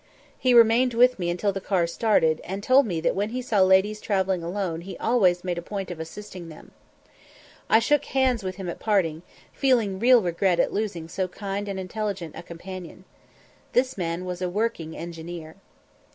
He remained with me until the cars started, and told me that when he saw ladies travelling alone he always made a point of assisting them. I shook hands with him at parting, feeling real regret at losing so kind and intelligent a companion. This man was a working engineer.